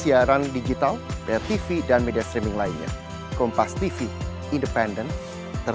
kita pantau kita sama sama melina dengan orang tua